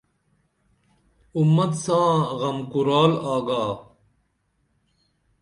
اُمت ساں غم کُرال آگا